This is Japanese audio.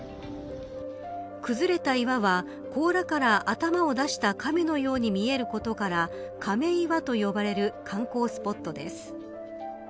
崩れた岩は甲羅から頭を出した亀のように見えることから、亀岩と呼ばれる観光スポットです。